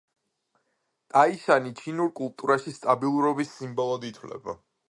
ტაიშანი ჩინურ კულტურაში სტაბილურობის სიმბოლოდ ითვლება.